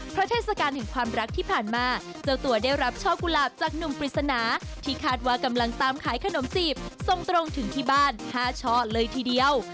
เพราะเทศกาลแห่งความรักที่ผ่านมาเจ้าตัวได้รับช่อกุหลาบจากหนุ่มปริศนาที่คาดว่ากำลังตามขายขนมจีบทรงตรงถึงที่บ้าน๕ช่อเลยทีเดียว